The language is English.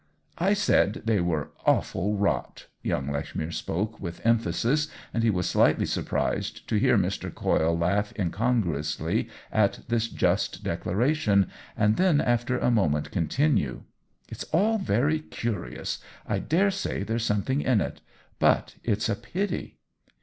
"I said they were awful rot!" Young Lech mere spoke with emphasis, and he was slightly surprised to hear Mr. Coyle laugh incongruously at this just declaration, and then after a moment continue :" It's all very curious — I dare say there's something in it. But it's a pity